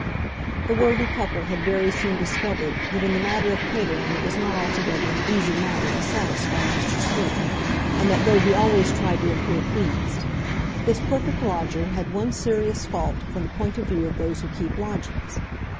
The worthy couple had very soon discovered that in the matter of catering it was not altogether an easy matter to satisfy Mr. Sleuth, and that though he always tried to appear pleased. This perfect lodger had one serious fault from the point of view of those who keep lodgings.